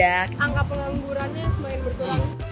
angka pengelomburannya semakin berduang